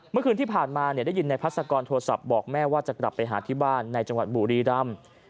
เมื่อคืนที่ผ่านมาได้ยินในพัศกรโทรศัพท์บอกแม่ว่าจะกลับไปหาที่บ้านในจังหวัดบุรีรำ